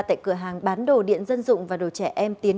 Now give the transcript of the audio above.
tại cửa hàng bán đồ điện dân dụng và đồ trẻ